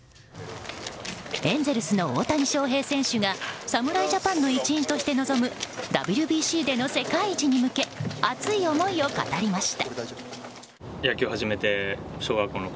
エンゼルスの大谷翔平選手が侍ジャパンの一員として臨むＷＢＣでの世界一に向けて熱い思いを語りました。